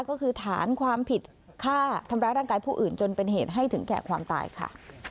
ก็คือฐานความผิดฆ่าทำร้ายร่างกายผู้อื่นจนเป็นเหตุให้ถึงแก่ความตายค่ะ